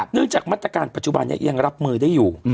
เนื่องจากมาตรการปัจจุบันนี้ยังรับมือได้อยู่